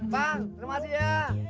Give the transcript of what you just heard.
bang terima kasih ya